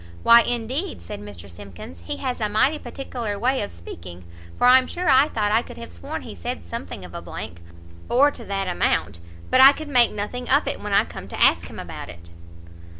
"Why indeed," said Mr Simkins, "he has a mighty peticklar way of speaking, for I'm sure I thought I could have sworn he said something of a blank, or to that amount, but I could make nothing of it when I come to ask him about it."